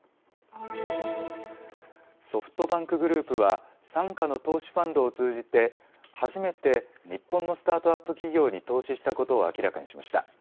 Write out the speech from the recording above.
ソフトバンクグループは傘下の投資ファンドを通じて初めて日本のスタートアップ企業に投資したことを明らかにしました。